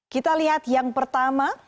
kita lihat yang pertama